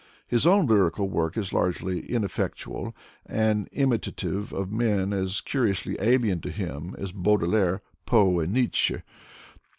His own lyrical work is largely ineffectual and imitative of men as curi ously alien to him as Baudelaire, Poe, and Nietzsche.